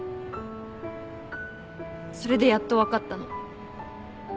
それでやっと分かったの。